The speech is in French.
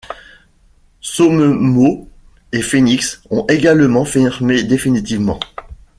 Somemot et Phénix ont également fermé définitivement.